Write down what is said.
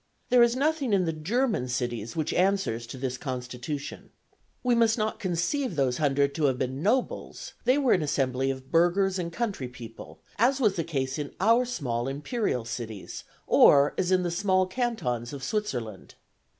There is nothing in the German cities which answers to this constitution. We must not conceive those hundred to have been nobles; they were an assembly of burghers and country people, as was the case in our small imperial cities, or as in the small cantons of Switzerland.